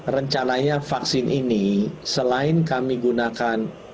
rencananya vaksin ini selain kami gunakan